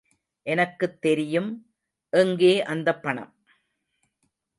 எனக்குத் தெரியும் எங்கே அந்த பணம்?